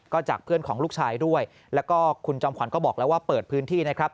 ก็จากเพื่อนของลูกชายด้วยแล้วก็คุณจอมขวัญก็บอกแล้วว่าเปิดพื้นที่นะครับ